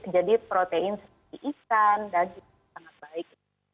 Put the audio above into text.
jadi protein seperti ikan daging sangat baik